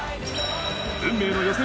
運命の予選